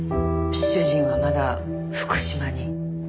主人はまだ福島に？